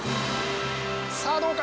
さあどうか？